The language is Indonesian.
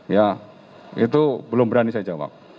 ya itu belum berani saya jawab